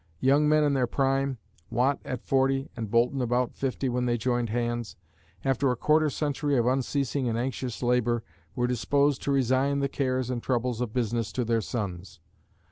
Young men in their prime, Watt at forty and Boulton about fifty when they joined hands, after a quarter century of unceasing and anxious labor, were disposed to resign the cares and troubles of business to their sons.